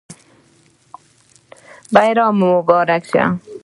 بریا مو مبارک شه